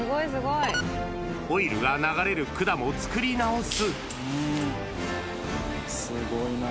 オイルが流れる管も作り直す。